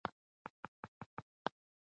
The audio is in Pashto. هند کې ښکلې منظرې او رنګونه یې لیدلي.